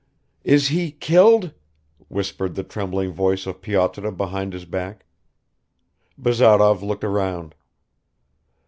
"Is he killed?" whispered the trembling voice of Pyotr behind his back. Bazarov looked round.